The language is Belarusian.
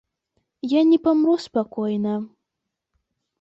Я не памру спакойна.